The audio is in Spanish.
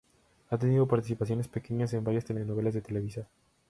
Ha tenido participaciones pequeñas en varias telenovelas de Televisa.